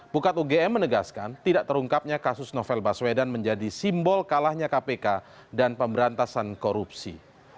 pukat ugm menegaskan tidak terungkapnya kasus novel baswedan menjadi simbol kalahnya kpk dan pemberantasan korupsi